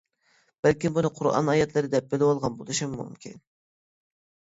بەلكىم بۇنى قۇرئان ئايەتلىرى دەپ بىلىۋالغان بولۇشىمۇ مۇمكىن.